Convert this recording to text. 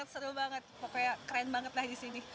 seru banget pokoknya keren banget lah disini